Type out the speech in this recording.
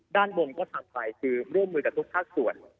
ด้านบนก็ทำกว่าคือร่วมมือกับทุกผ้าสวด